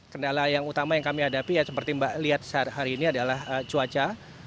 kedala yang utama yang kami hadapi seperti yang anda lihat hari ini adalah cuaca